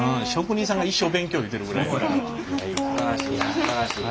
すばらしい。